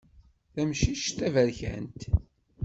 Tamcict taberkant.